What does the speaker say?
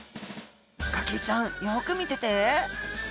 ガキィちゃんよく見てて。